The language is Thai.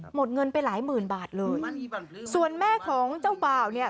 หมดเงินไปหลายหมื่นบาทเลยส่วนแม่ของเจ้าบ่าวเนี่ย